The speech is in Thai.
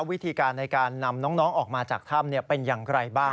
วิธีการในการนำน้องออกมาจากถ้ำเป็นอย่างไรบ้าง